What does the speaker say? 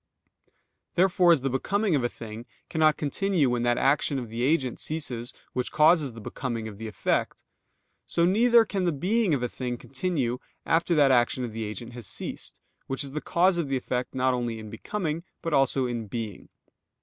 _ Therefore as the becoming of a thing cannot continue when that action of the agent ceases which causes the becoming of the effect: so neither can the being of a thing continue after that action of the agent has ceased, which is the cause of the effect not only in becoming but also in _being.